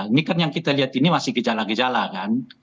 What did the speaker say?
ini kan yang kita lihat ini masih gejala gejala kan